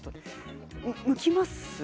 むきます？